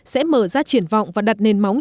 sẽ mở ra triển vọng và đặt nền móng